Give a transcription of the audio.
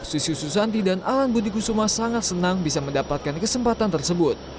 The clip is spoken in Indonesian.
susi susanti dan alan budi kusuma sangat senang bisa mendapatkan kesempatan tersebut